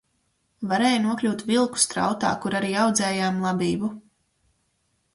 Varēja nokļūt Vilku strautā, kur arī audzējām labību.